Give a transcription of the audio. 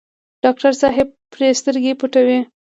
ډاکټر صاحب پرې سترګې پټوي.